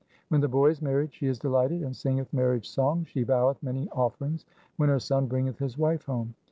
When the boy is married, she is delighted and singeth marriage songs. She voweth many offerings when her son bringeth his wife home.